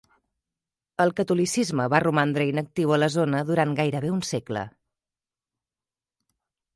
El catolicisme va romandre inactiu a la zona durant gairebé un segle.